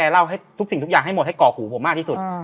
รู้สิ่งทุกอย่างให้หมดให้เกาะหูผมมากที่สุด